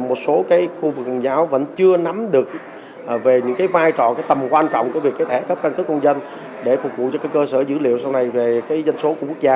một số khu vực công giáo vẫn chưa nắm được về những vai trò tầm quan trọng của việc thể cấp căn cướp công dân để phục vụ cho cơ sở dữ liệu sau này về danh số của quốc gia